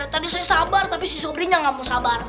tadi saya sabar tapi si suaminya gak mau sabar